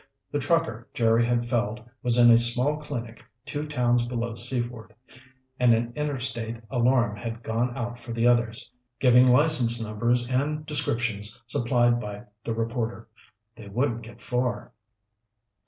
The trucker Jerry had felled was in a small clinic two towns below Seaford, and an interstate alarm had gone out for the others, giving license numbers and descriptions supplied by the reporter. They wouldn't get far.